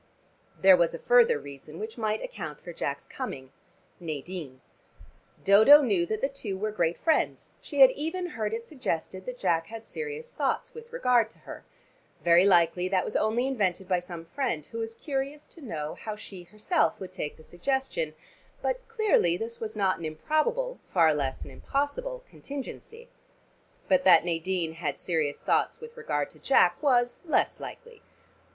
There was a further reason which might account for Jack's coming: Nadine. Dodo knew that the two were great friends. She had even heard it suggested that Jack had serious thoughts with regard to her. Very likely that was only invented by some friend who was curious to know how she herself would take the suggestion, but clearly this was not an improbable, far less an impossible, contingency. But that Nadine had serious thoughts with regard to Jack was less likely.